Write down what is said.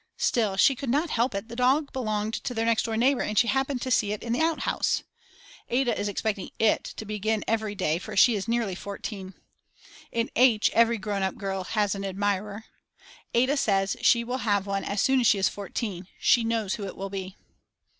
Still, she could not help it, the dog belonged to their next door neighbour and she happened to see it in the out house. Ada is expecting it to begin every day for she is nearly 14. In H. every grown up girl has an admirer. Ada says she will have one as soon as she is 14; she knows who it will be.